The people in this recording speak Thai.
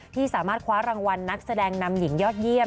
ที่สามารถคว้ารางวัลนักแสดงนำหญิงยอดเยี่ยม